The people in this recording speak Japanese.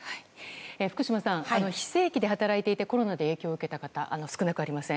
福島さん、非正規で働いてコロナで影響を受けた方少なくありません。